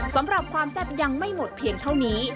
สำหรับความแซ่บยังไม่หมดเพียงเท่านี้